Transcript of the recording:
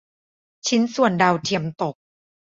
ชิ้นส่วนดาวเทียมตก